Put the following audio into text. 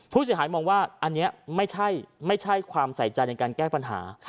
ผู้เสียหายมองว่าอันนี้ไม่ใช่ความใส่ใจในการแก้ปัญหา